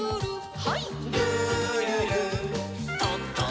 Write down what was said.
はい。